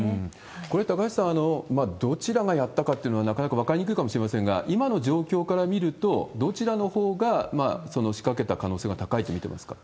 これ、高橋さん、どちらがやったかっていうのは、なかなか分かりにくいかもしれませんが、今の状況から見ると、どちらのほうが仕掛けた可能性が高いと見てますか？